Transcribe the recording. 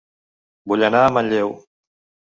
Vull anar a Manlleu